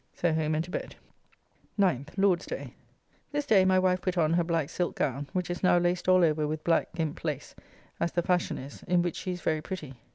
So home and to bed. 9th (Lord's day). This day my wife put on her black silk gown, which is now laced all over with black gimp lace, as the fashion is, in which she is very pretty.